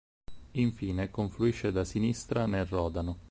Infine confluisce da sinistra nel Rodano.